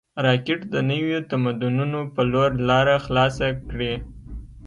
راکټ د نویو تمدنونو په لور لاره خلاصه کړې